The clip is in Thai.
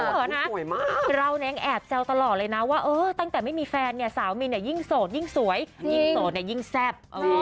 สวยมากเราเนี่ยยังแอบแซวตลอดเลยนะว่าเออตั้งแต่ไม่มีแฟนเนี่ยสาวมินเนี่ยยิ่งโสดยิ่งสวยยิ่งโสดเนี่ยยิ่งแซ่บ